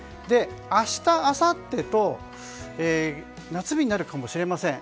明日、あさってと夏日になるかもしれません。